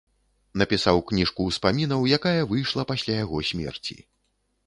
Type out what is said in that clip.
Напісаў кніжку ўспамінаў, якая выйшла пасля яго смерці.